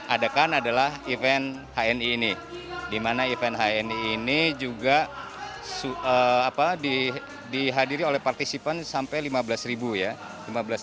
adakan adalah event hni ini dimana event hni ini juga apa di hadiri oleh partisipan sampai lima belas ya